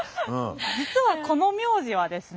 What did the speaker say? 実はこの名字はですね